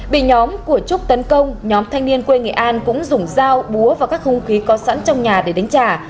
bị nhóm của trúc tấn công nhóm thanh niên quê nghệ an cũng dùng dao búa và các hung khí có sẵn trong nhà để đánh trả